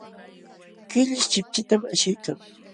Killish chipchitam ashiykan.